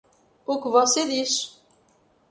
O que você diz